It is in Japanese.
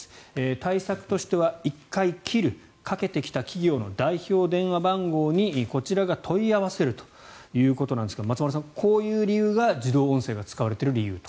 対策としては１回切るかけてきた企業の代表電話番号にこちらが問い合わせるということなんですが松丸さん、こういう理由が自動音声が使われている理由と。